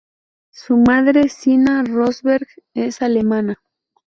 Su madre Sina Rosberg es alemana.